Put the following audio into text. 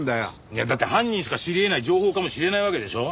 いやだって犯人しか知り得ない情報かもしれないわけでしょ。